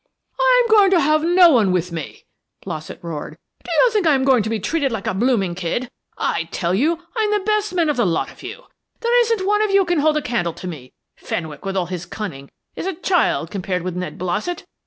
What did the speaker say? "I am going to have no one with me," Blossett roared. "Do you think I am going to be treated like a blooming kid? I tell you, I am the best man of the lot of you. There isn't one of you can hold a candle to me. Fenwick, with all his cunning, is a child compared with Ned Blossett.